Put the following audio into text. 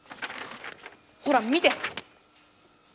ほら見て！